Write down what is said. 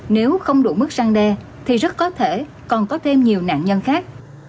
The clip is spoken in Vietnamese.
nếu không đủ mức săn đe thì rất có thể còn có thêm nhiều nạn nhân khác